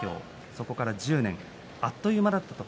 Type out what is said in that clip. そこから１０年あっという間だったと。